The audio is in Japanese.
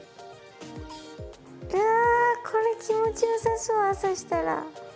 いやこれ気持ちよさそう朝したら。